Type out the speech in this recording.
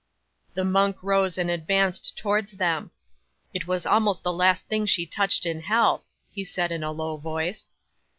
'The monk rose and advanced towards them. "It was almost the last thing she touched in health," he said in a low voice.